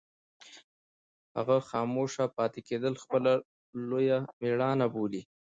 هغه خاموشه پاتې کېدل خپله لویه مېړانه بولي.